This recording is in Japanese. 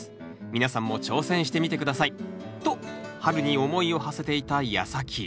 皆さんも挑戦してみてください。と春に思いをはせていたやさき。